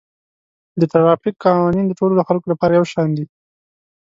د ټرافیک قوانین د ټولو خلکو لپاره یو شان دي